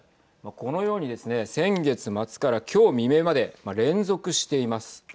このようにですね先月末から今日未明まで連続しています。